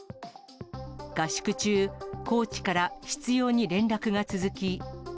合宿中、コーチから執ように連絡が続き。